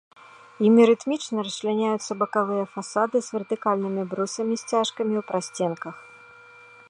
Імі рытмічна расчляняюцца бакавыя фасады з вертыкальнымі брусамі-сцяжкамі ў прасценках.